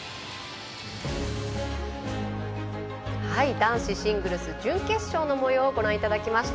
男子シングルス準決勝のもようをご覧いただきました。